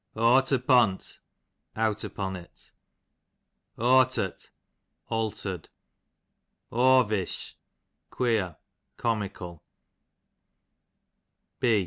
Awto'pont, out upon it. Awtert, altered. Awvish, queer, comical.